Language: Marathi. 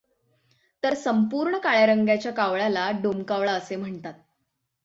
तर संपूर्ण काळ्या रंगाच्या कावळ्याला डोमकावळा असे म्हणतात.